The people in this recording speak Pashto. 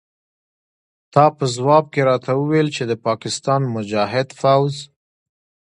تا په ځواب کې راته وویل چې د پاکستان مجاهد پوځ.